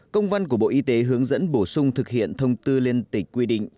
công văn của bộ y tế hướng dẫn bổ sung thực hiện thông tư liên tịch quy định